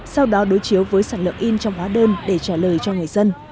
sau đó đối chiếu với sản lượng in trong hóa đơn để trả lời cho người dân